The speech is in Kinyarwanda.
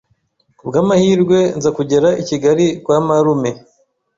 kubw’amahirwe nza kugera i kigali kwa marume